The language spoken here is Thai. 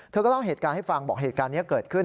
เธอก็เล่าเหตุการณ์ให้ฟังบอกเหตุการณ์นี้เกิดขึ้น